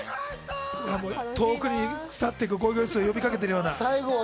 遠くに去っていくゴイゴイスー！を呼びかけているような。